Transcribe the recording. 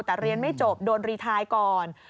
แต่เรียนไม่จบโดนรีทายก่อน